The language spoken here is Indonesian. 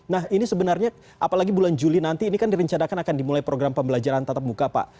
nah ini sebenarnya apalagi bulan juli nanti ini kan direncanakan akan dimulai program pembelajaran tatap muka pak